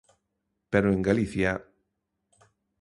Pero en Galicia...